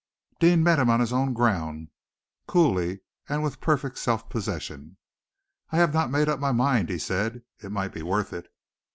Deane met him on his own ground, coolly, and with perfect self possession. "I have not made up my mind," he said. "It might be worth it."